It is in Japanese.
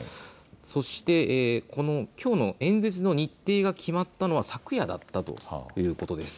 そしてきょうの演説の日程が決まったのは昨夜だったということです。